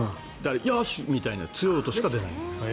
「よし！」みたいな強い音しか出ない。